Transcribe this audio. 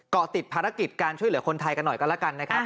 เกาะติดภารกิจการช่วยเหลือคนไทยกันหน่อยก็แล้วกันนะครับ